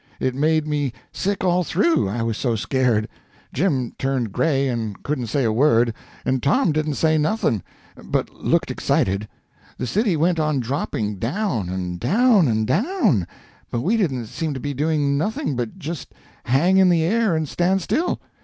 It made me sick all through, I was so scared. Jim turned gray and couldn't say a word, and Tom didn't say nothing, but looked excited. The city went on dropping down, and down, and down; but we didn't seem to be doing nothing but just hang in the air and stand still.